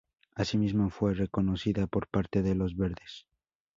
Asimismo fue reconocida por parte de Los Verdes.